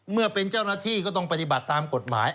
เมื่อเป็นเจ้าหน้าที่ก็ต้องปฏิบัติตามกฎหมาย